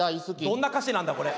どんな歌詞なんだこれ。